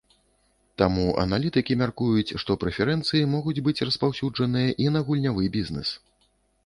Таму аналітыкі мяркуюць, што прэферэнцыі могуць быць распаўсюджаныя і на гульнявы бізнэс.